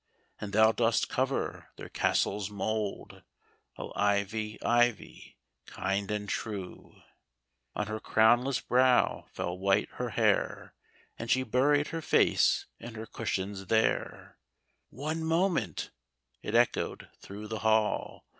And thou dost cover their castle's mould, O, Ivy, Ivy, kind and true ! On her crownless brow fell white her hair. And she buried her face in her cushions there :" One moment !"— it echoed through the hall.